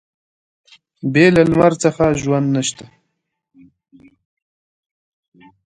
بې له لمر څخه ژوند نشته.